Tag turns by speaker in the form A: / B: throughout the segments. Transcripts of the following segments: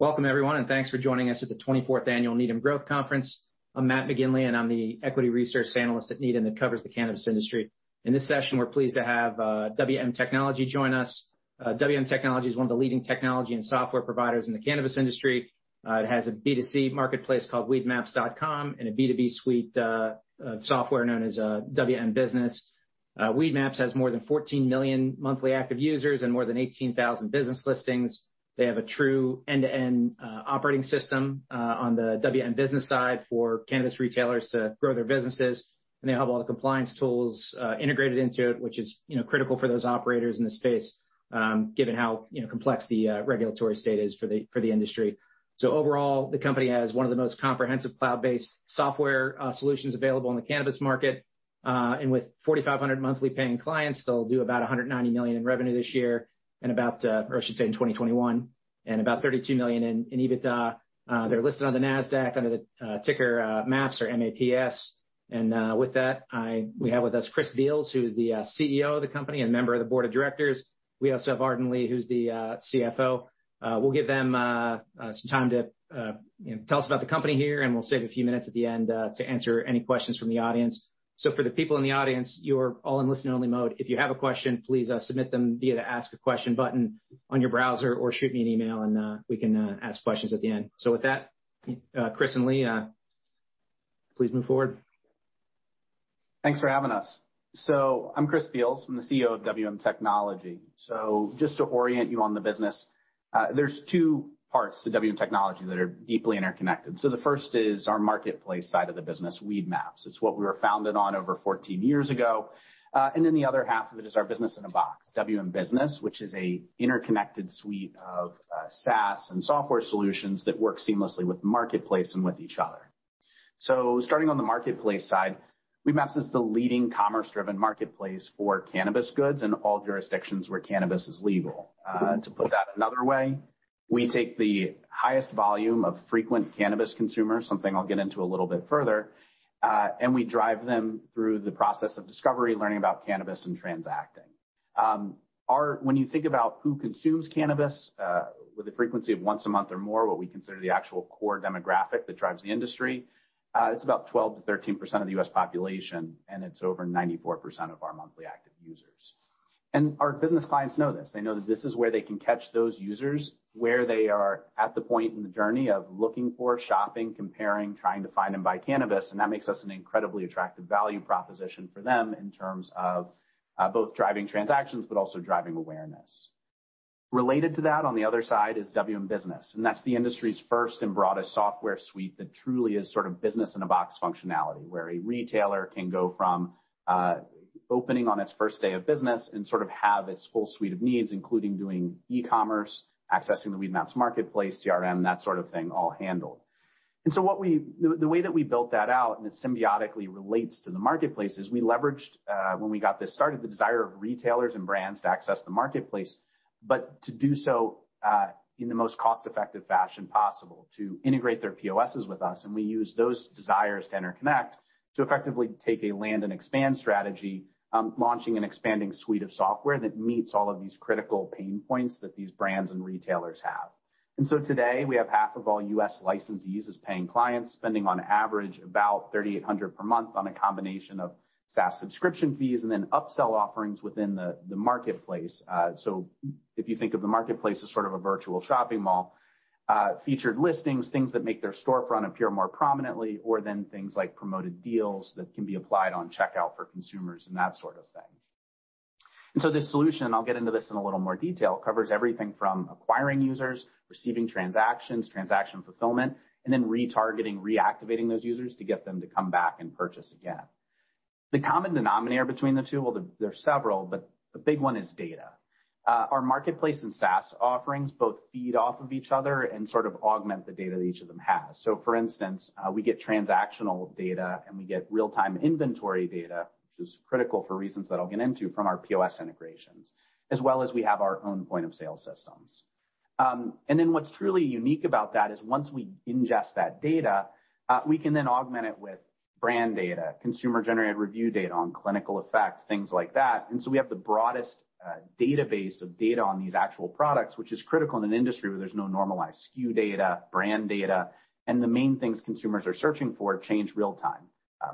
A: Welcome everyone, and thanks for joining us at the 24th Annual Needham Growth Conference. I'm Matt McGinley, and I'm the equity research analyst at Needham that covers the cannabis industry. In this session, we're pleased to have WM Technology join us. WM Technology is one of the leading technology and software providers in the cannabis industry. It has a B2C marketplace called weedmaps.com and a B2B suite of software known as WM Business. Weedmaps has more than 14 million monthly active users and more than 18,000 business listings. They have a true end-to-end operating system on the WM Business side for cannabis retailers to grow their businesses, and they have all the compliance tools integrated into it, which is, you know, critical for those operators in the space, given how, you know, complex the regulatory state is for the industry. Overall, the company has one of the most comprehensive cloud-based software solutions available in the cannabis market. With 4,500 monthly paying clients, they'll do about $190 million in revenue in 2021 and about $32 million in EBITDA. They're listed on the Nasdaq under the ticker MAPS. With that, we have with us Chris Beals, who is the CEO of the company and member of the Board of Directors. We also have Arden Lee, who's the CFO. We'll give them some time to you know tell us about the company here, and we'll save a few minutes at the end to answer any questions from the audience. For the people in the audience, you're all in listen-only mode. If you have a question, please submit them via the Ask a Question button on your browser or shoot me an email and we can ask questions at the end. With that, Chris and Lee, please move forward.
B: Thanks for having us. I'm Chris Beals. I'm the CEO of WM Technology. Just to orient you on the business, there's two parts to WM Technology that are deeply interconnected. The first is our marketplace side of the business, Weedmaps. It's what we were founded on over 14 years ago. Then the other half of it is our business in a box, WM Business, which is an interconnected suite of SaaS and software solutions that work seamlessly with the marketplace and with each other. Starting on the marketplace side, Weedmaps is the leading commerce-driven marketplace for cannabis goods in all jurisdictions where cannabis is legal. To put that another way, we take the highest volume of frequent cannabis consumers, something I'll get into a little bit further, and we drive them through the process of discovery, learning about cannabis and transacting. When you think about who consumes cannabis, with a frequency of once a month or more, what we consider the actual core demographic that drives the industry, it's about 12%-13% of the U.S. population, and it's over 94% of our monthly active users. Our business clients know this. They know that this is where they can catch those users, where they are at the point in the journey of looking for shopping, comparing, trying to find and buy cannabis, and that makes us an incredibly attractive value proposition for them in terms of both driving transactions but also driving awareness. Related to that on the other side is WM Business, and that's the industry's first and broadest software suite that truly is sort of business-in-a-box functionality, where a retailer can go from opening on its first day of business and sort of have its full suite of needs, including doing e-commerce, accessing the Weedmaps marketplace, CRM, that sort of thing, all handled. The way that we built that out, and it symbiotically relates to the marketplace, is we leveraged, when we got this started, the desire of retailers and brands to access the marketplace, but to do so, in the most cost-effective fashion possible, to integrate their POSs with us, and we use those desires to interconnect to effectively take a land and expand strategy, launching an expanding suite of software that meets all of these critical pain points that these brands and retailers have. Today, we have half of all U.S. licensees as paying clients, spending on average about $3,800 per month on a combination of SaaS subscription fees and then upsell offerings within the marketplace. If you think of the marketplace as sort of a virtual shopping mall, featured listings, things that make their storefront appear more prominently or then things like promoted deals that can be applied on checkout for consumers and that sort of thing. This solution, I'll get into this in a little more detail, covers everything from acquiring users, receiving transactions, transaction fulfillment, and then retargeting, reactivating those users to get them to come back and purchase again. The common denominator between the two, well, there are several, but the big one is data. Our marketplace and SaaS offerings both feed off of each other and sort of augment the data that each of them has. For instance, we get transactional data, and we get real-time inventory data, which is critical for reasons that I'll get into from our POS integrations, as well as we have our own point-of-sale systems. What's truly unique about that is once we ingest that data, we can then augment it with brand data, consumer-generated review data on clinical effect, things like that. We have the broadest database of data on these actual products, which is critical in an industry where there's no normalized SKU data, brand data, and the main things consumers are searching for change real-time,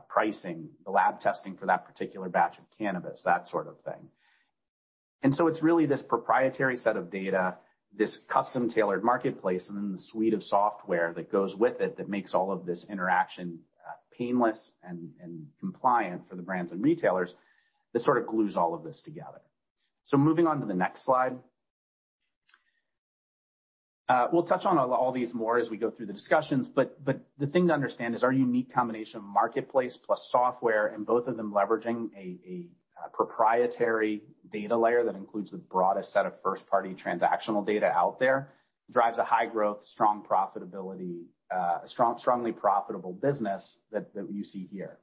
B: pricing, the lab testing for that particular batch of cannabis, that sort of thing. It's really this proprietary set of data, this custom-tailored marketplace, and then the suite of software that goes with it that makes all of this interaction painless and compliant for the brands and retailers that sort of glues all of this together. Moving on to the next slide. We'll touch on all these more as we go through the discussions, the thing to understand is our unique combination of marketplace plus software and both of them leveraging a proprietary data layer that includes the broadest set of first-party transactional data out there, drives a high-growth, strong profitability, strongly profitable business that you see here.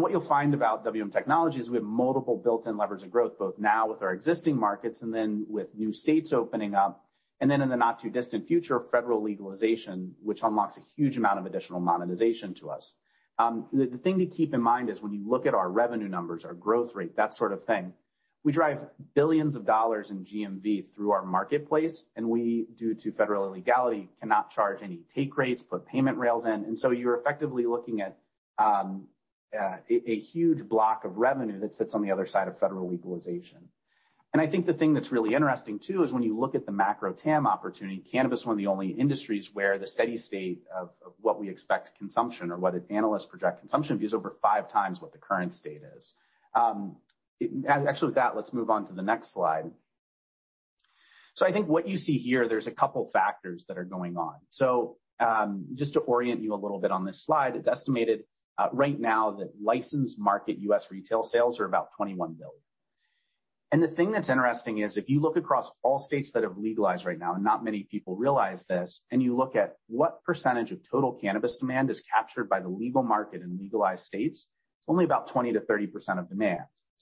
B: What you'll find about WM Technology is we have multiple built-in levers of growth, both now with our existing markets and then with new states opening up, and then in the not-too-distant future, federal legalization, which unlocks a huge amount of additional monetization to us. The thing to keep in mind is when you look at our revenue numbers, our growth rate, that sort of thing. We drive billions of dollars in GMV through our marketplace, and we, due to federal illegality, cannot charge any take rates, put payment rails in. You're effectively looking at a huge block of revenue that sits on the other side of federal legalization. I think the thing that's really interesting too is when you look at the macro-TAM opportunity, cannabis is one of the only industries where the steady state of what we expect consumption or what analysts project consumption is over five times what the current state is. Actually, with that, let's move on to the next slide. I think what you see here, there's a couple factors that are going on. Just to orient you a little bit on this slide, it's estimated right now that licensed market U.S. retail sales are about $21 billion. The thing that's interesting is if you look across all states that have legalized right now, not many people realize this, and you look at what percentage of total cannabis demand is captured by the legal market in legalized states, it's only about 20%-30% of demand.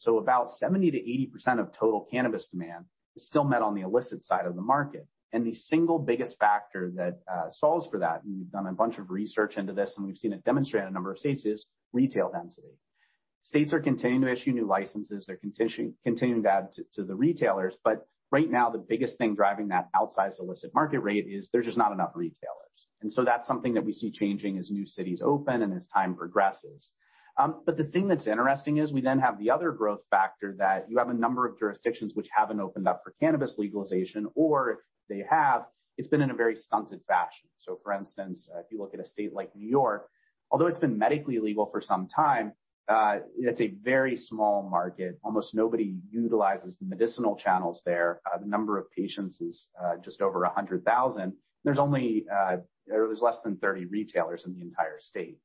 B: About 70%-80% of total cannabis demand is still met on the illicit side of the market. The single biggest factor that solves for that, and we've done a bunch of research into this, and we've seen it demonstrated in a number of states, is retail density. States are continuing to issue new licenses, they're continuing to add to the retailers. Right now, the biggest thing driving that outsized illicit market rate is there's just not enough retailers. That's something that we see changing as new cities open and as time progresses. The thing that's interesting is we then have the other growth factor that you have a number of jurisdictions which haven't opened up for cannabis legalization, or if they have, it's been in a very stunted fashion. For instance, if you look at a state like New York, although it's been medically legal for some time, it's a very small market. Almost nobody utilizes the medicinal channels there. The number of patients is just over 100,000. There're less than 30 retailers in the entire state.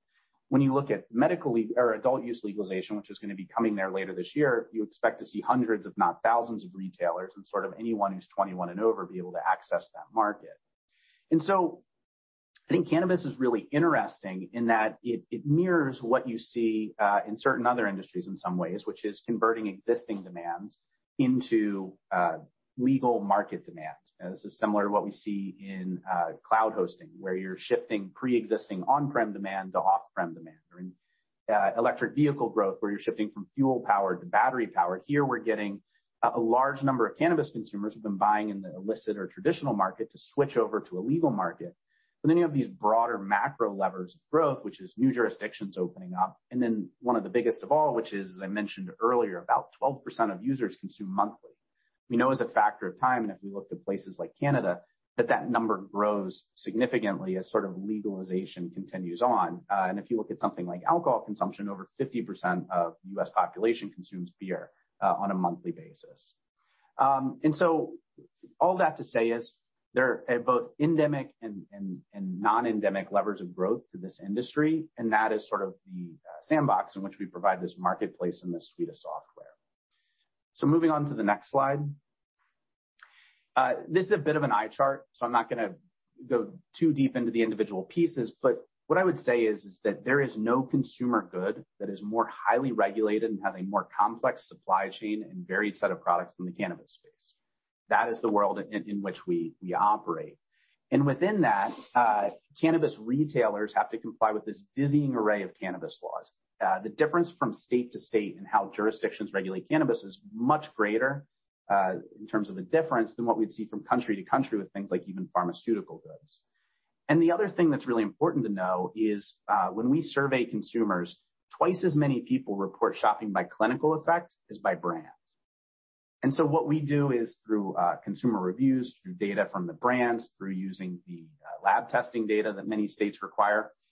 B: When you look at medical or adult use legalization, which is gonna be coming there later this year, you expect to see hundreds, if not thousands, of retailers and sort of anyone who's 21 and over be able to access that market. I think cannabis is really interesting in that it mirrors what you see in certain other industries in some ways, which is converting existing demands into legal market demands. This is similar to what we see in cloud hosting, where you're shifting pre-existing on-prem demand to off-prem demand, or in electric vehicle growth, where you're shifting from fuel power to battery power. Here, we're getting a large number of cannabis consumers who've been buying in the illicit or traditional market to switch over to a legal market. You have these broader macro levers of growth, which is new jurisdictions opening up. One of the biggest of all, which is, as I mentioned earlier, about 12% of users consume monthly. We know as a factor of time, and if we look to places like Canada, that number grows significantly as sort of legalization continues on. And if you look at something like alcohol consumption, over 50% of U.S. population consumes beer on a monthly basis. All that to say is there are both endemic and non-endemic levers of growth to this industry, and that is sort of the sandbox in which we provide this marketplace and this suite of software. Moving on to the next slide. This is a bit of an eye chart, so I'm not gonna go too deep into the individual pieces, but what I would say is that there is no consumer good that is more highly regulated and has a more complex supply chain and varied set of products than the cannabis space. That is the world in which we operate. Within that, cannabis retailers have to comply with this dizzying array of cannabis laws. The difference from state to state and how jurisdictions regulate cannabis is much greater in terms of the difference than what we'd see from country to country with things like even pharmaceutical goods. The other thing that's really important to know is, when we survey consumers, twice as many people report shopping by clinical effect as by brand. What we do is through consumer reviews, through data from the brands, through using the lab testing data that many states require, we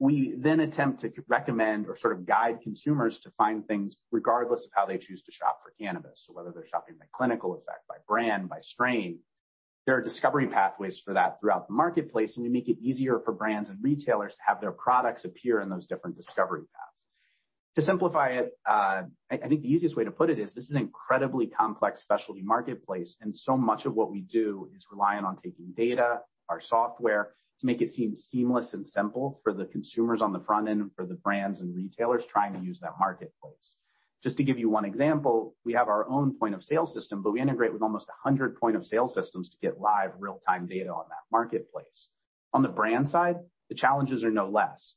B: then attempt to recommend or sort of guide consumers to find things regardless of how they choose to shop for cannabis. Whether they're shopping by clinical effect, by brand, by strain, there are discovery pathways for that throughout the marketplace, and we make it easier for brands and retailers to have their products appear in those different discovery paths. To simplify it, I think the easiest way to put it is this is an incredibly complex specialty marketplace, and so much of what we do is reliant on taking data, our software, to make it seem seamless and simple for the consumers on the front end and for the brands and retailers trying to use that marketplace. Just to give you one example, we have our own point-of-sale system, but we integrate with almost 100 point-of-sale systems to get live real-time data on that marketplace. On the brand side, the challenges are no less.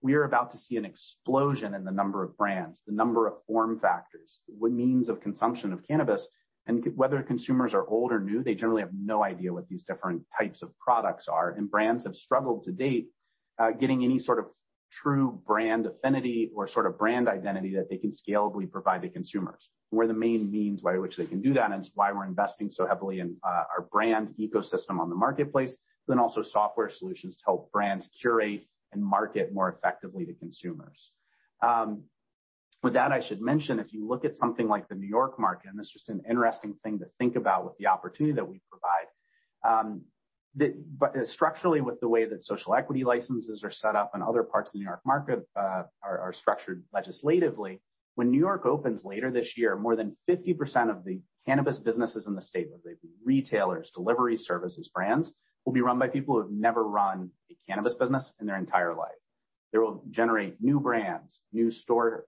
B: We are about to see an explosion in the number of brands, the number of form factors, what means of consumption of cannabis. Whether consumers are old or new, they generally have no idea what these different types of products are, and brands have struggled to date, getting any sort of true brand affinity or sort of brand identity that they can scalably provide to consumers. We're the main means by which they can do that, and it's why we're investing so heavily in our brand ecosystem on the marketplace, then also software solutions to help brands curate and market more effectively to consumers. With that, I should mention, if you look at something like the New York market, and this is just an interesting thing to think about with the opportunity that we provide, but structurally, with the way that social equity licenses are set up and other parts of the New York market are structured legislatively, when New York opens later this year, more than 50% of the cannabis businesses in the state, whether they be retailers, delivery services, brands, will be run by people who have never run a cannabis business in their entire life. They will generate new brands, new store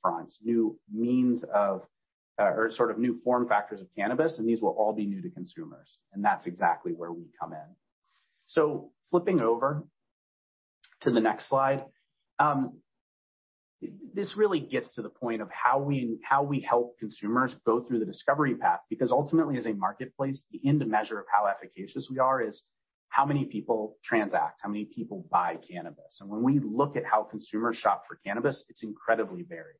B: fronts, new means of or sort of new form factors of cannabis, and these will all be new to consumers. That's exactly where we come in. Flipping over to the next slide. This really gets to the point of how we help consumers go through the discovery path, because ultimately, as a marketplace, the end measure of how efficacious we are is how many people transact, how many people buy cannabis. When we look at how consumers shop for cannabis, it's incredibly varied.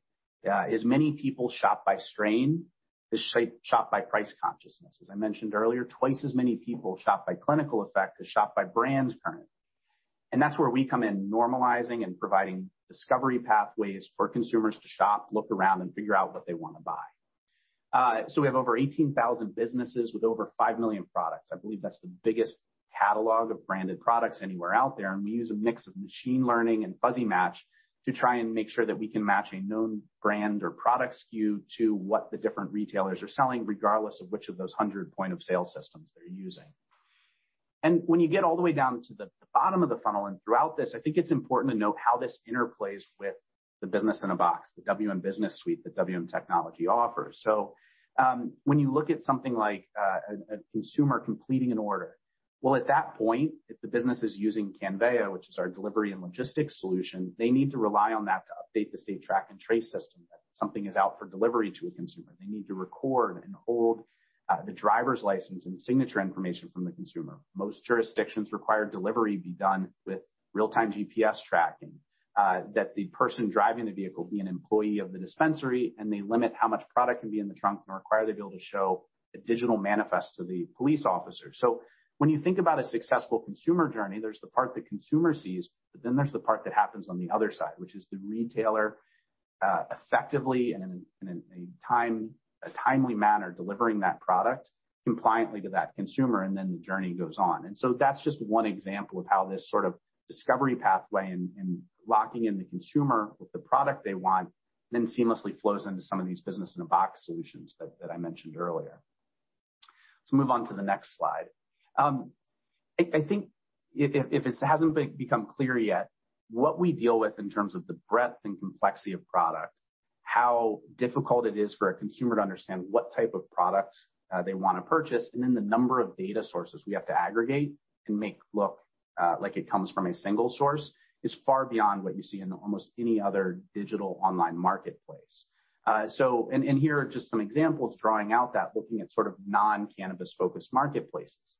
B: As many people shop by strain as shop by price consciousness. As I mentioned earlier, twice as many people shop by clinical effect as shop by brands currently. That's where we come in, normalizing and providing discovery pathways for consumers to shop, look around, and figure out what they want to buy. We have over 18,000 businesses with over five million products. I believe that's the biggest catalog of branded products anywhere out there. We use a mix of machine learning and fuzzy match to try and make sure that we can match a known brand or product SKU to what the different retailers are selling, regardless of which of those 100 points of sale systems they're using. When you get all the way down to the bottom of the funnel and throughout this, I think it's important to note how this interplays with the business in a box, the WM Business suite that WM Technology offers. When you look at something like a consumer completing an order, well, at that point, if the business is using Cannveya, which is our delivery and logistics solution, they need to rely on that to update the state track and trace system, that something is out for delivery to a consumer. They need to record and hold the driver's license and signature information from the consumer. Most jurisdictions require delivery be done with real-time GPS tracking that the person driving the vehicle be an employee of the dispensary, and they limit how much product can be in the trunk and require they be able to show a digital manifest to the police officer. When you think about a successful consumer journey, there's the part the consumer sees, but then there's the part that happens on the other side, which is the retailer effectively and in a timely manner delivering that product compliantly to that consumer, and then the journey goes on. That's just one example of how this sort of discovery pathway and locking in the consumer with the product they want then seamlessly flows into some of these businesses in a box solution that I mentioned earlier. Let's move on to the next slide. I think if this hasn't become clear yet, what we deal with in terms of the breadth and complexity of product, how difficult it is for a consumer to understand what type of product they want to purchase, and then the number of data sources we have to aggregate and make look like it comes from a single source, is far beyond what you see in almost any other digital online marketplace. Here are just some examples drawing out that, looking at sort of non-cannabis-focused marketplaces.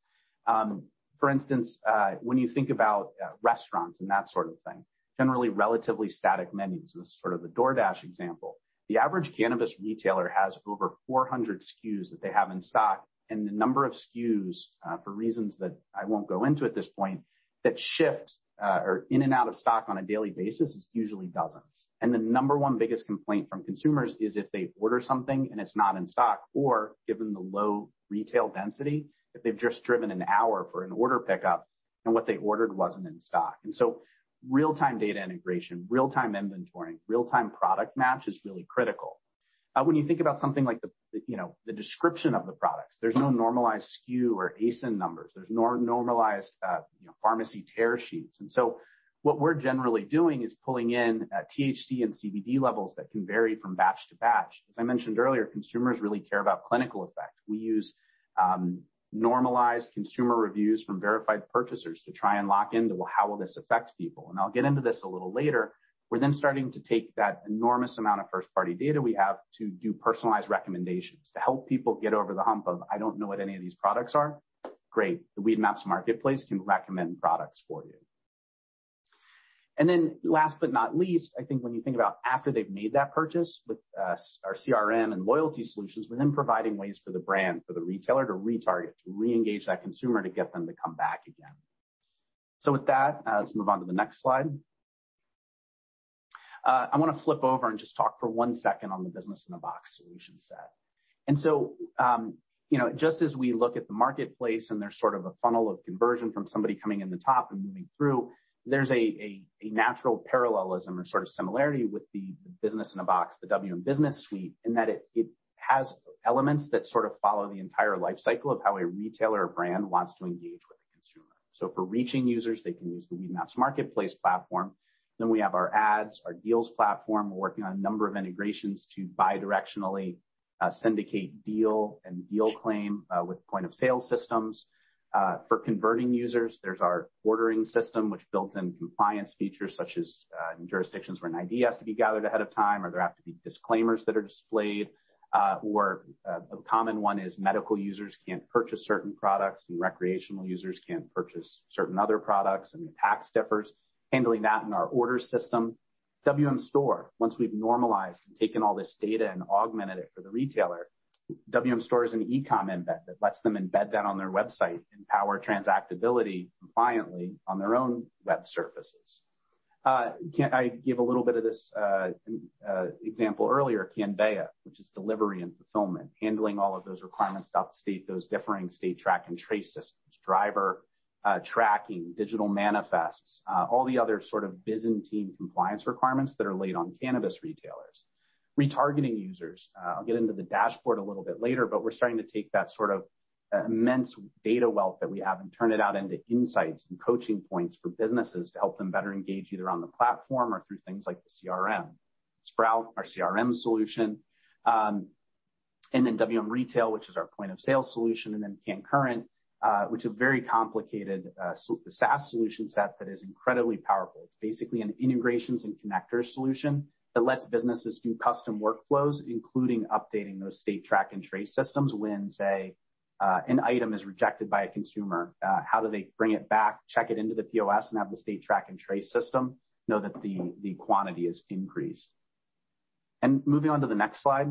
B: For instance, when you think about restaurants and that sort of thing, generally relatively static menus. This is sort of the DoorDash example. The average cannabis retailer has over 400 SKUs that they have in stock, and the number of SKUs, for reasons that I won't go into at this point, that shift or in and out of stock on a daily basis is usually dozens. The number one biggest complaint from consumers is if they order something and it's not in stock or, given the low retail density, if they've just driven an hour for an order pickup and what they ordered wasn't in stock. Real-time data integration, real-time inventory, real-time product match is really critical. When you think about something like the, you know, the description of the products, there's no normalized SKU or ASIN numbers. There're non-normalized pharmacy tear sheets. What we're generally doing is pulling in THC and CBD levels that can vary from batch to batch. As I mentioned earlier, consumers really care about clinical effect. We use normalized consumer reviews from verified purchasers to try and lock into how will this affect people? I'll get into this a little later. We're then starting to take that enormous amount of first-party data we have to do personalized recommendations to help people get over the hump of, "I don't know what any of these products are." Great. The Weedmaps marketplace can recommend products for you. Last but not least, I think when you think about after they've made that purchase with our CRM and loyalty solutions, we're then providing ways for the brand, for the retailer to retarget, to reengage that consumer to get them to come back again. With that, let's move on to the next slide. I wanna flip over and just talk for one second on the business-in-a-box solution set. You know, just as we look at the marketplace and there's sort of a funnel of conversion from somebody coming in the top and moving through, there's a natural parallelism or sort of similarity with the business in a box, the WM Business, in that it has elements that sort of follow the entire life cycle of how a retailer or brand wants to engage with a consumer. For reaching users, they can use the Weedmaps marketplace platform. We have our ads, our deals platform. We're working on a number of integrations to bidirectionally syndicate deal and deal claim with point-of-sale systems. For converting users, there's our ordering system, which builds in compliance features such as in jurisdictions where an ID has to be gathered ahead of time or there have to be disclaimers that are displayed or a common one is medical users can't purchase certain products and recreational users can't purchase certain other products, and the tax differs. Handling that in our order system. WM Store, once we've normalized and taken all this data and augmented it for the retailer. WM Store is an e-com embed that lets them embed that on their website and power transactability compliantly on their own web surfaces. I gave a little bit of this example earlier, Cannveya, which is delivery and fulfillment, handling all of those requirements throughout the state, those differing state track and trace systems, driver tracking, digital manifests, all the other sort of Byzantine compliance requirements that are laid on cannabis retailers. Retargeting users. I'll get into the dashboard a little bit later, but we're starting to take that sort of immense data wealth that we have and turn it out into insights and coaching points for businesses to help them better engage either on the platform or through things like the CRM. Sprout, our CRM solution. Then WM Retail, which is our point-of-sale solution, and then CannCurrent, which is a very complicated SaaS solution set that is incredibly powerful. It's basically an integrations and connectors solution that lets businesses do custom workflows, including updating those state track-and-trace systems when, say, an item is rejected by a consumer, how do they bring it back, check it into the POS, and have the state track-and-trace system know that the quantity is increased. Moving on to the next slide.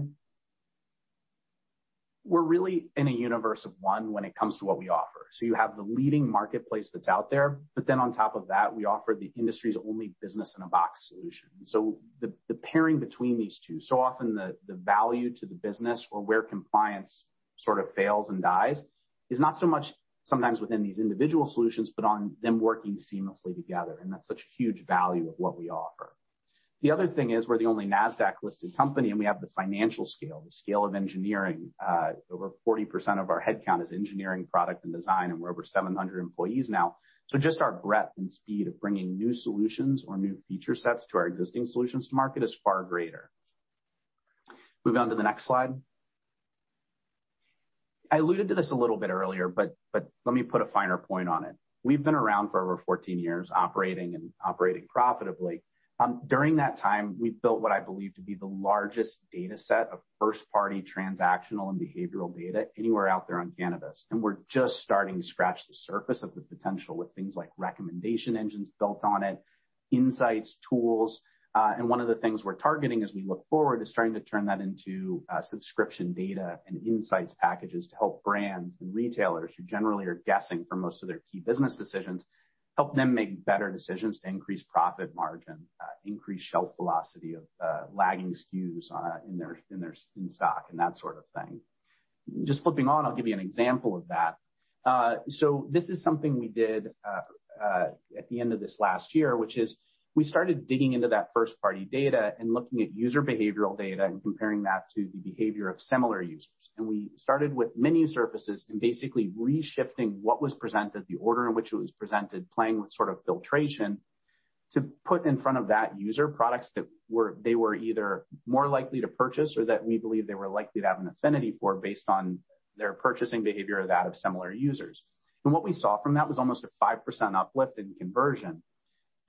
B: We're really in a universe of one when it comes to what we offer. You have the leading marketplace that's out there, but then on top of that, we offer the industry's only business-in-a-box solution. The pairing between these two, so often the value to the business or where compliance sort of fails and dies, is not so much sometimes within these individual solutions, but on them working seamlessly together, and that's such a huge value of what we offer. The other thing is we're the only Nasdaq-listed company, and we have the financial scale, the scale of engineering. Over 40% of our headcount is engineering, product, and design, and we're over 700 employees now. So just our breadth and speed of bringing new solutions or new feature sets to our existing solutions to market is far greater. Move on to the next slide. I alluded to this a little bit earlier, but let me put a finer point on it. We've been around for over 14 years, operating and operating profitably. During that time, we've built what I believe to be the largest data set of first-party transactional and behavioral data anywhere out there on cannabis, and we're just starting to scratch the surface of the potential with things like recommendation engines built on it, insights tools. One of the things we're targeting as we look forward is starting to turn that into subscription data and insights packages to help brands and retailers who generally are guessing for most of their key business decisions, help them make better decisions to increase profit margin, increase shelf velocity of lagging SKUs in their stock and that sort of thing. Just flipping on, I'll give you an example of that. This is something we did at the end of this last year, which is we started digging into that first-party data and looking at user behavioral data and comparing that to the behavior of similar users. We started with many surfaces and basically re-shifting what was presented, the order in which it was presented, playing with sort of filtration, to put in front of that user products that were, they were either more likely to purchase or that we believe they were likely to have an affinity for based on their purchasing behavior or that of similar users. What we saw from that was almost a 5% uplift in conversion.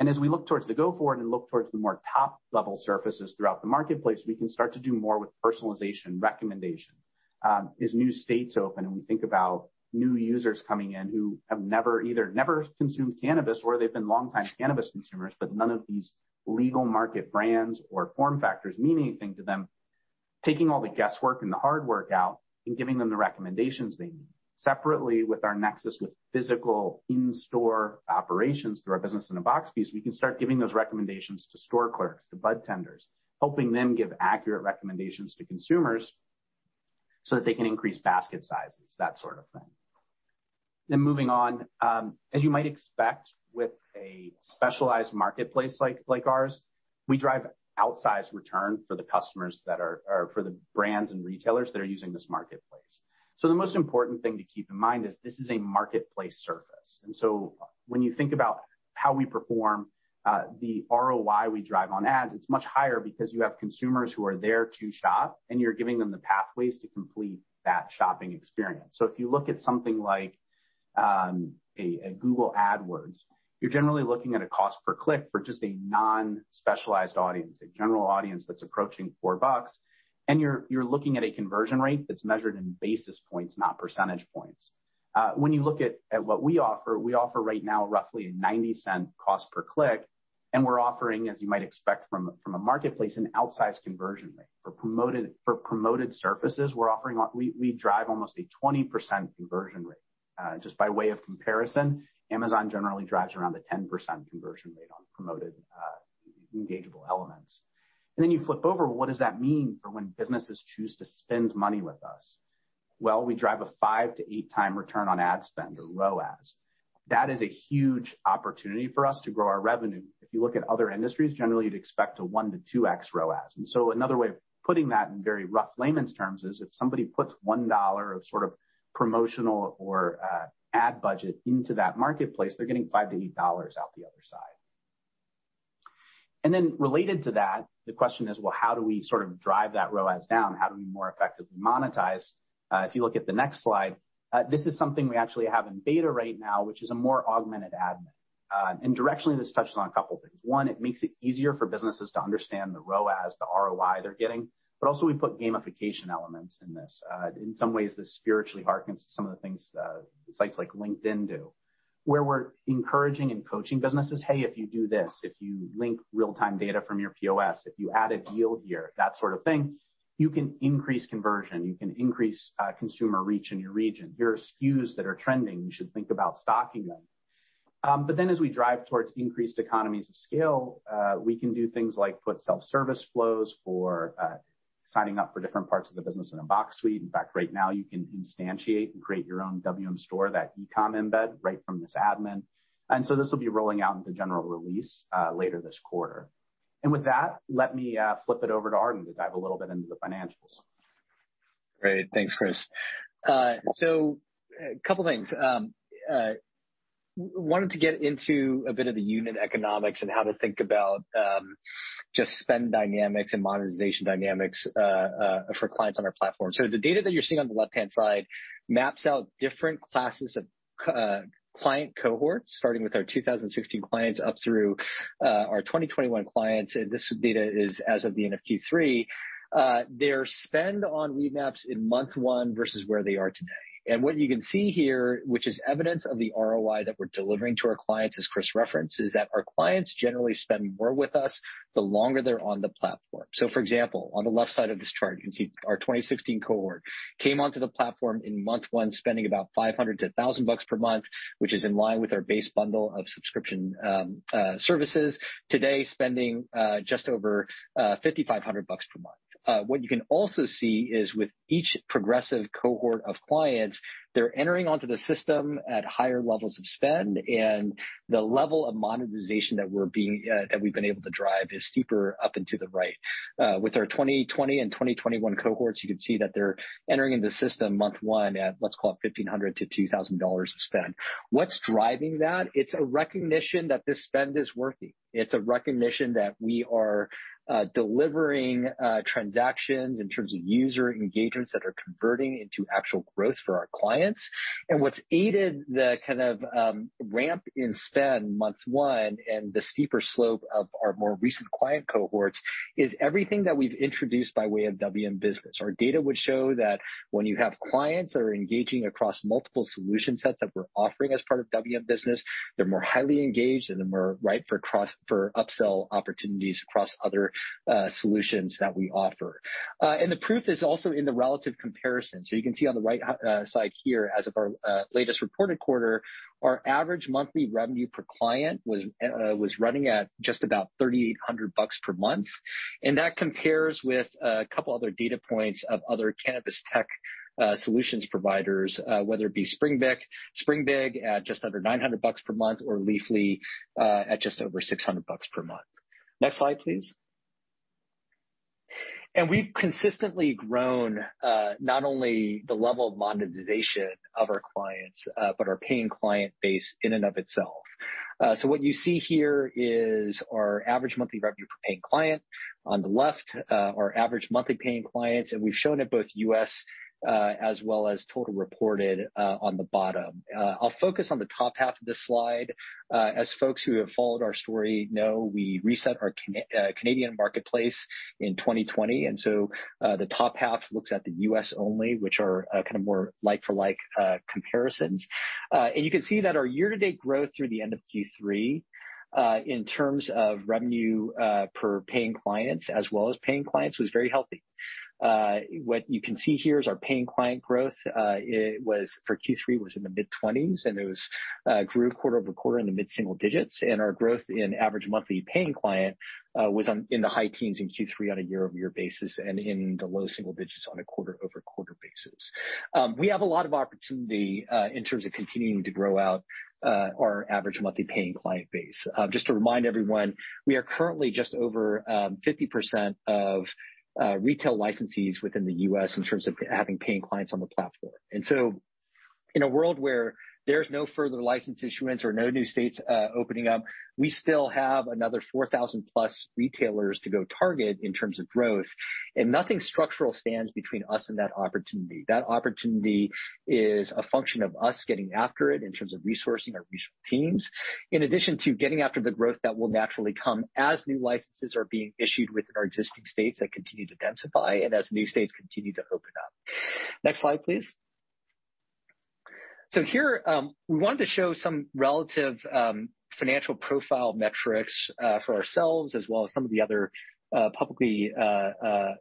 B: As we look towards the going forward and look towards the more top-level surfaces throughout the marketplace, we can start to do more with personalization recommendations. As new states open, and we think about new users coming in who have never consumed cannabis or they've been longtime cannabis consumers, but none of these legal market brands or form factors mean anything to them, taking all the guesswork and the hard work out and giving them the recommendations they need. Separately, with our nexus with physical in-store operations through our business-in-a-box piece, we can start giving those recommendations to store clerks, to bud tenders, helping them give accurate recommendations to consumers so that they can increase basket sizes, that sort of thing. Then moving on, as you might expect with a specialized marketplace like ours, we drive outsized return for the customers or for the brands and retailers that are using this marketplace. The most important thing to keep in mind is this is a marketplace service. When you think about how we perform, the ROI we drive on ads, it's much higher because you have consumers who are there to shop, and you're giving them the pathways to complete that shopping experience. If you look at something like a Google Ads, you're generally looking at a cost per click for just a non-specialized audience, a general audience that's approaching $4, and you're looking at a conversion rate that's measured in basis points, not percentage points. When you look at what we offer, we offer right now roughly a $0.90 cost per click, and we're offering, as you might expect from a marketplace, an outsized conversion rate. For promoted surfaces, we drive almost a 20% conversion rate. Just by way of comparison, Amazon generally drives around a 10% conversion rate on promoted, engageable elements. Then you flip over, what does that mean for when businesses choose to spend money with us? Well, we drive five-eight times return on ad spend or ROAS. That is a huge opportunity for us to grow our revenue. If you look at other industries, generally you'd expect a 1-2x ROAS. Another way of putting that in very rough layman's terms is if somebody puts $1 of sort of promotional or ad budget into that marketplace, they're getting $5-$8 out the other side. Related to that, the question is, well, how do we sort of drive that ROAS down? How do we more effectively monetize? If you look at the next slide, this is something we actually have in beta right now, which is a more augmented admin. Directionally, this touches on a couple of things. One, it makes it easier for businesses to understand the ROAS, the ROI they're getting, but also, we put gamification elements in this. In some ways, this spiritually harkens to some of the things, sites like LinkedIn do, where we're encouraging and coaching businesses, "Hey, if you do this, if you link real-time data from your POS, if you add a deal here, that sort of thing, you can increase conversion, you can increase consumer reach in your region. Here are SKUs that are trending, you should think about stocking them. As we drive towards increased economies of scale, we can do things like put self-service flows for signing up for different parts of the business-in-a-box suite. In fact, right now, you can instantiate and create your own WM Store, that e-com embed right from this admin. This will be rolling out in the general release later this quarter. With that, let me flip it over to Arden Lee to dive a little bit into the financials.
C: Great. Thanks, Chris. A couple of things. Wanted to get into a bit of the unit economics and how to think about just spend dynamics and monetization dynamics for clients on our platform. The data that you're seeing on the left-hand side maps out different classes of client cohorts, starting with our 2016 clients up through our 2021 clients. This data is as of the end of Q3. Their spend on Weedmaps in month one versus where they are today. What you can see here, which is evidence of the ROI that we're delivering to our clients, as Chris referenced, is that our clients generally spend more with us the longer they're on the platform. For example, on the left side of this chart, you can see our 2016 cohort came onto the platform in month one, spending about $500-$1,000 per month, which is in line with our base bundle of subscription services. Today, spending just over $5,500 per month. What you can also see is with each progressive cohort of clients, they're entering onto the system at higher levels of spend, and the level of monetization that we've been able to drive is steeper up into the right. With our 2020 and 2021 cohorts, you can see that they're entering into the system month one at, let's call it $1,500-$2,000 of spend. What's driving that? It's a recognition that this spend is working. It's a recognition that we are delivering transactions in terms of user engagements that are converting into actual growth for our clients. What's aided the kind of ramp in spend month one and the steeper slope of our more recent client cohorts is everything that we've introduced by way of WM Business. Our data would show that when you have clients that are engaging across multiple solution sets that we're offering as part of WM Business, they're more highly engaged, and they're more ripe for upsell opportunities across other solutions that we offer. The proof is also in the relative comparison. You can see on the right side here, as of our latest reported quarter, our average monthly revenue per client was running at just about $3,800 per month. That compares with a couple other data points of other cannabis tech solutions providers, whether it be Springbig at just under $900 per month or Leafly at just over $600 per month. Next slide, please. We've consistently grown not only the level of monetization of our clients, but our paying client base in and of itself. So, what you see here is our average monthly revenue per paying client. On the left, our average monthly paying clients, and we've shown it both U.S. as well as total reported on the bottom. I'll focus on the top half of this slide. As folks who have followed our story know, we reset our Canadian marketplace in 2020, the top half looks at the U.S. only, which are kind of more like-for-like comparisons. You can see that our year-to-date growth through the end of Q3 in terms of revenue per paying clients as well as paying clients was very healthy. What you can see here is our paying client growth. It was for Q3 in the mid-20s%, and it grew quarter-over-quarter in the mid-single digits%. Our growth in average monthly paying client was in the high teens% in Q3 on a year-over-year basis and in the low single digits% on a quarter-over-quarter basis. We have a lot of opportunity in terms of continuing to grow out our average monthly paying client base. Just to remind everyone, we are currently just over 50% of retail licensees within the U.S. in terms of having paying clients on the platform. In a world where there's no further license issuance or no new states opening up, we still have another 4,000+ retailers to go target in terms of growth, and nothing structural stands between us and that opportunity. That opportunity is a function of us getting after it in terms of resourcing our regional teams, in addition to getting after the growth that will naturally come as new licenses are being issued within our existing states that continue to densify and as new states continue to open up. Next slide, please. Here, we wanted to show some relative financial profile metrics for ourselves as well as some of the other publicly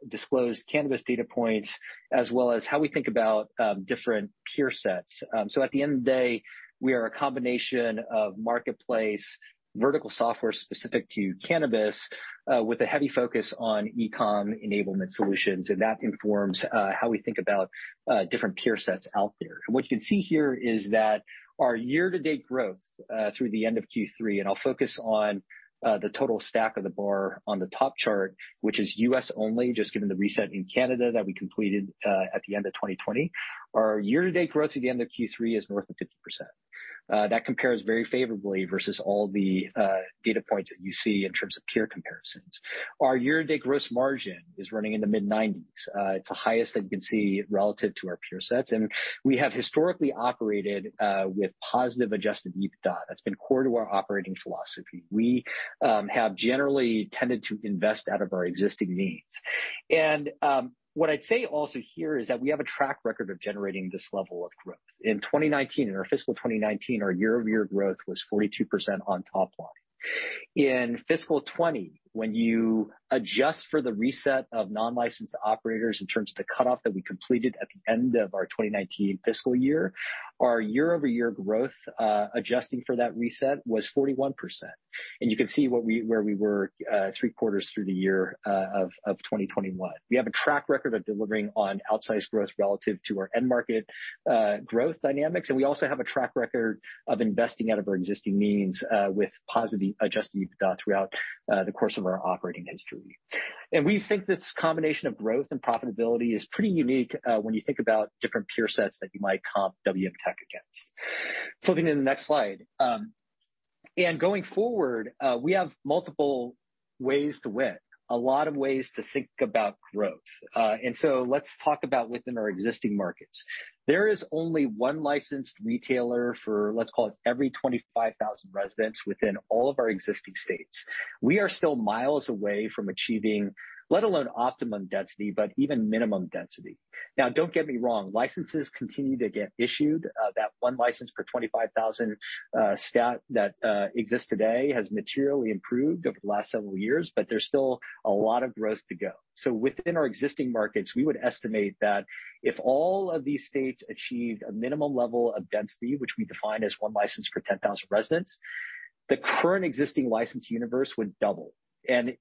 C: disclosed cannabis data points as well as how we think about different peer sets. At the end of the day, we are a combination of marketplace vertical software specific to cannabis with a heavy focus on e-com enablement solutions, and that informs how we think about different peer sets out there. What you can see here is that our year-to-date growth through the end of Q3, and I'll focus on the total stack of the bar on the top chart, which is U.S. only, just given the reset in Canada that we completed at the end of 2020. Our year-to-date growth at the end of Q3 is north of 50%. That compares very favorably versus all the data points that you see in terms of peer comparisons. Our year-to-date gross margin is running in the mid-90s. It's the highest that you can see relative to our peer sets. We have historically operated with positive adjusted EBITDA. That's been core to our operating philosophy. We have generally tended to invest out of our existing needs. What I'd say also here is that we have a track record of generating this level of growth. In 2019, in our fiscal 2019, our year-over-year growth was 42% on top line. In fiscal 2020, when you adjust for the reset of non-licensed operators in terms of the cutoff that we completed at the end of our 2019 fiscal year, our year-over-year growth, adjusting for that reset was 41%. You can see where we were three quarters through the year of 2021. We have a track record of delivering on outsized growth relative to our end market growth dynamics, and we also have a track record of investing out of our existing means with positive adjusted EBITDA throughout the course of our operating history. We think this combination of growth and profitability is pretty unique when you think about different peer sets that you might comp WM Technology against. Flipping to the next slide. Going forward, we have multiple ways to win, a lot of ways to think about growth. Let's talk about within our existing markets. There is only one licensed retailer for, let's call it, every 25,000 residents within all of our existing states. We are still miles away from achieving let alone optimum density, but even minimum density. Now, don't get me wrong, licenses continue to get issued. That one license per 25,000 that exists today has materially improved over the last several years, but there's still a lot of growth to go. Within our existing markets, we would estimate that if all of these states achieved a minimum level of density, which we define as one license per 10,000 residents, the current existing license universe would double.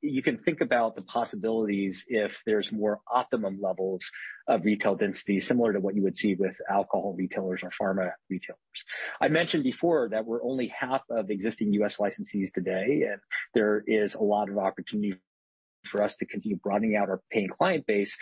C: You can think about the possibilities if there's more optimum levels of retail density, similar to what you would see with alcohol retailers or pharma retailers. I mentioned before that we're only half of existing U.S. licensees today, and there is a lot of opportunity for us to continue broadening out our paying client base.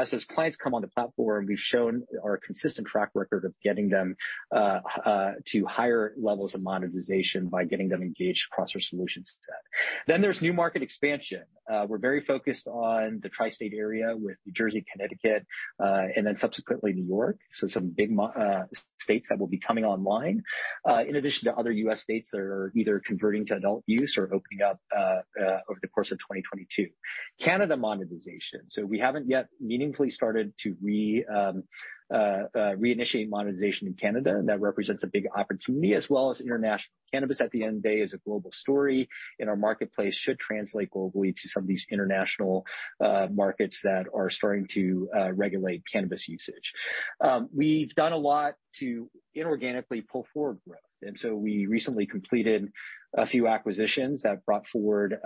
C: As those clients come on the platform, we've shown our consistent track record of getting them to higher levels of monetization by getting them engaged across our solution set. There's new market expansion. We're very focused on the tri-state area with New Jersey, Connecticut, and then subsequently New York. Some big states that will be coming online, in addition to other U.S. states that are either converting to adult use or opening up, over the course of 2022. Canada monetization. We haven't yet meaningfully started to reinitiate monetization in Canada. That represents a big opportunity, as well as international. Cannabis, at the end of the day, is a global story, and our marketplace should translate globally to some of these international markets that are starting to regulate cannabis usage. We've done a lot to inorganically pull forward growth, and so we recently completed a few acquisitions that brought forward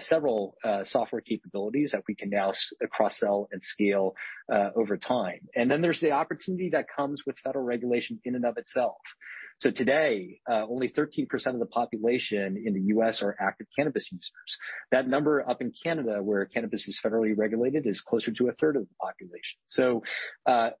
C: several software capabilities that we can now cross-sell and scale over time. There's the opportunity that comes with federal regulation in and of itself. Today, only 13% of the population in the U.S. are active cannabis users. That number up in Canada, where cannabis is federally regulated, is closer to a third of the population.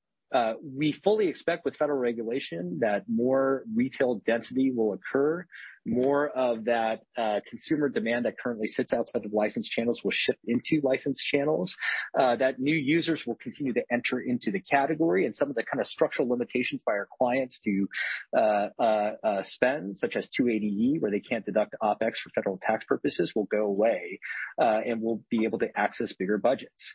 C: We fully expect with federal regulation that more retail density will occur, more of that consumer demand that currently sits outside of licensed channels will shift into licensed channels, that new users will continue to enter into the category, and some of the kind of structural limitations by our clients to spend, such as 280E where they can't deduct OpEx for federal tax purposes, will go away, and we'll be able to access bigger budgets.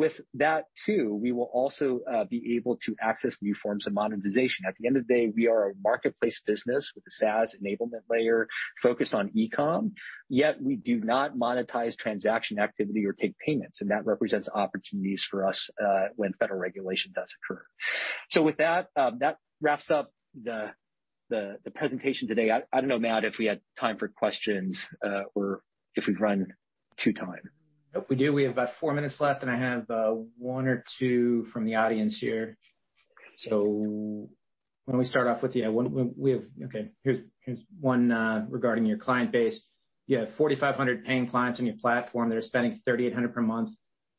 C: With that too, we will also be able to access new forms of monetization. At the end of the day, we are a marketplace business with a SaaS enablement layer focused on e-com, yet we do not monetize transaction activity or take payments, and that represents opportunities for us, when federal regulation does occur. With that wraps up the presentation today. I don't know, Matt, if we had time for questions, or if we've run to time.
A: Nope, we do. We have about four minutes left, and I have one or two from the audience here. So why don't we start off with you. Okay. Here's one regarding your client base. You have 4,500 paying clients on your platform that are spending $3,800 per month.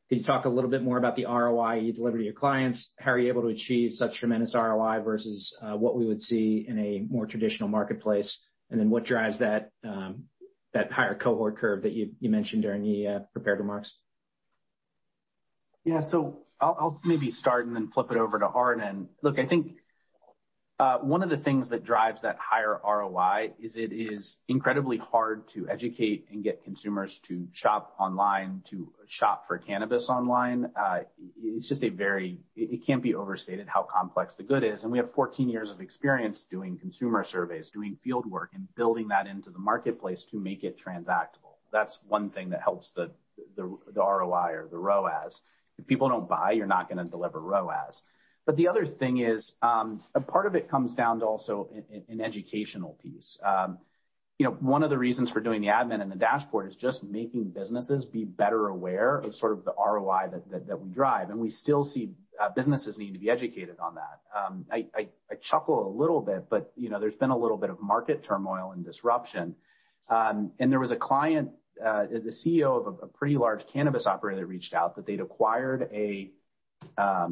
A: Can you talk a little bit more about the ROI you deliver to your clients? How are you able to achieve such tremendous ROI versus what we would see in a more traditional marketplace? And then what drives that higher cohort curve that you mentioned during the prepared remarks?
B: Yeah. I'll maybe start and then flip it over to Arden. Look, I think one of the things that drives that higher ROI is it is incredibly hard to educate and get consumers to shop online, to shop for cannabis online. It's just a very, it can't be overstated how complex the good is. We have 14 years of experience doing consumer surveys, doing field work, and building that into the marketplace to make it transactable. That's one thing that helps the ROI or the ROAS. If people don't buy, you're not gonna deliver ROAS. The other thing is a part of it comes down to also an educational piece. You know, one of the reasons for doing the admin and the dashboard is just making businesses be better aware of sort of the ROI that we drive, and we still see businesses need to be educated on that. I chuckle a little bit, but you know, there's been a little bit of market turmoil and disruption. There was a client, the CEO of a pretty large cannabis operator that reached out that they'd acquired a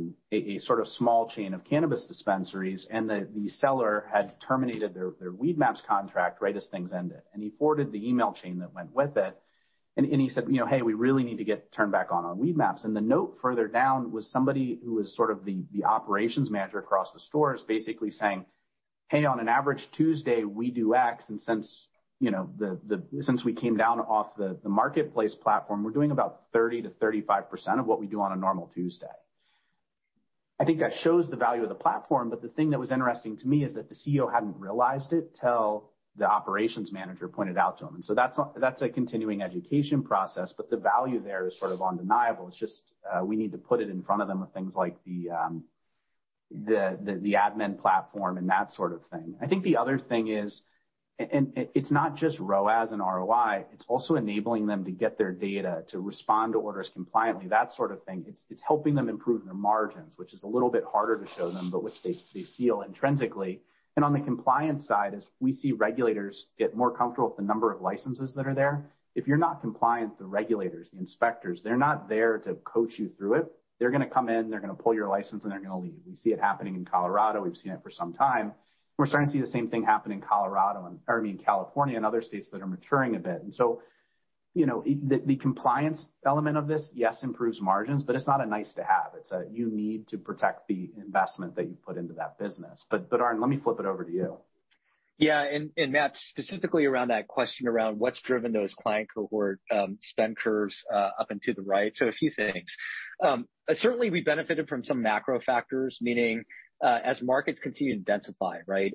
B: sort of small chain of cannabis dispensaries, and the seller had terminated their Weedmaps contract right as things ended. He forwarded the email chain that went with it, and he said, you know, "Hey, we really need to get turned back on Weedmaps." The note further down was somebody who was sort of the operations manager across the stores basically saying, "Hey, on an average Tuesday, we do X, and since, you know, we came down off the marketplace platform, we're doing about 30%-35% of what we do on a normal Tuesday." I think that shows the value of the platform, but the thing that was interesting to me is that the CEO hadn't realized it till the operations manager pointed out to him. That's a continuing education process, but the value there is sort of undeniable. It's just, we need to put it in front of them with things like the admin platform and that sort of thing. I think the other thing is, it's not just ROAS and ROI, it's also enabling them to get their data to respond to orders compliantly, that sort of thing. It's helping them improve their margins, which is a little bit harder to show them, but which they feel intrinsically. On the compliance side, as we see regulators get more comfortable with the number of licenses that are there, if you're not compliant, the regulators, the inspectors, they're not there to coach you through it. They're gonna come in, they're gonna pull your license, and they're gonna leave. We see it happening in Colorado. We've seen it for some time. We're starting to see the same thing happen in Colorado and, or I mean, California and other states that are maturing a bit. You know, the compliance element of this yes improves margins, but it's not a nice-to-have. It's a you need to protect the investment that you put into that business. Arden, let me flip it over to you.
C: Yeah. Matt, specifically around that question around what's driven those client cohort spend curves up and to the right, so a few things. Certainly, we benefited from some macro factors, meaning, as markets continue to densify, right,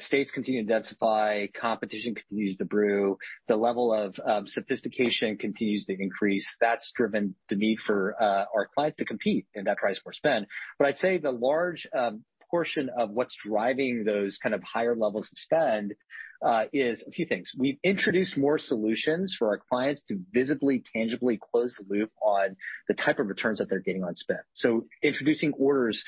C: states continue to densify, competition continues to brew, the level of sophistication continues to increase. That's driven the need for our clients to compete in that price war spend. I'd say the large portion of what's driving those kinds of higher levels of spend is a few things. We've introduced more solutions for our clients to visibly, tangibly close the loop on the type of returns that they're getting on spend, introducing orders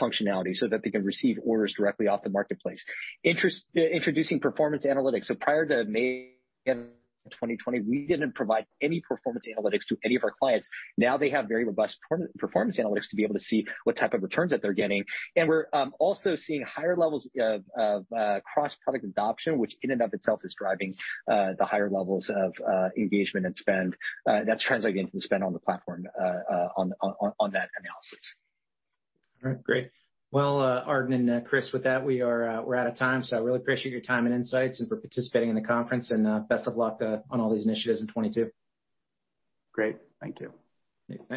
C: functionality so that they can receive orders directly off the marketplace, introducing performance analytics. Prior to May of 2020, we didn't provide any performance analytics to any of our clients. Now they have very robust performance analytics to be able to see what type of returns that they're getting. We're also seeing higher levels of cross-product adoption, which in and of itself is driving the higher levels of engagement and spend that's translating into the spend on the platform on that analysis.
A: All right. Great. Well, Arden and Chris, with that, we're out of time, so I really appreciate your time and insights and for participating in the conference, and best of luck on all these initiatives in 2022.
C: Great. Thank you.
A: Yeah. Thanks.